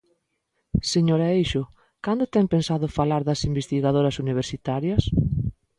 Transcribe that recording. Señora Eixo, ¿cando ten pensado falar das investigadoras universitarias?